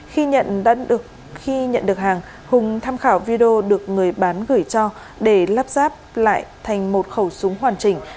khi nhận được hàng hùng tham khảo video được người bán gửi cho để lắp ráp lại thành một khẩu súng hoàn chỉnh